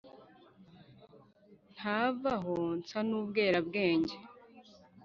ntava aho nsa n’ubwerabwera,